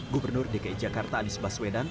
gubernur dki jakarta anies baswedan